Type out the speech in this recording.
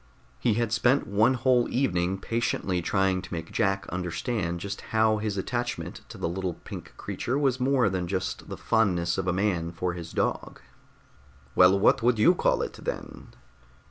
He had spent one whole evening patiently trying to make Jack understand just how his attachment to the little pink creature was more than just the fondness of a man for his dog. "Well, what would you call it, then?"